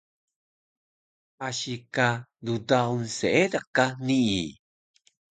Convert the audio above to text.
asi ka ddaun seediq ka nii